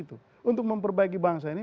untuk memperbaiki bangsa ini